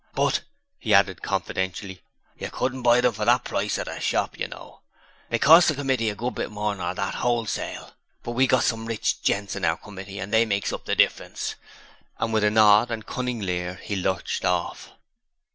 But,' he added, confidentially,''you couldn't buy 'em for that price in a shop, you know. They costs the committee a good bit more nor that wholesale; but we've got some rich gents on our committee and they makes up the difference,' and with a nod and a cunning leer he lurched off.